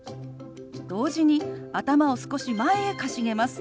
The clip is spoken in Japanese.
同時に頭を少し前へかしげます。